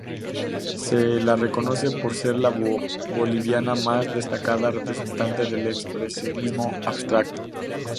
Se la reconoce por ser la boliviana más destacada representante del expresionismo abstracto.